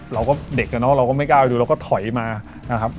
เราก็เด็กอะเนาะเราก็ไม่กล้าไปดูเราก็ถอยมานะครับ